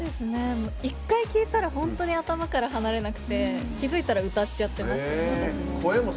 １回聴いたら本当に頭から離れなくて気付いたら歌っちゃってます私も。